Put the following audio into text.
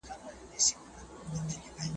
د علم زيور تر ټولو ښکلی زيور دی.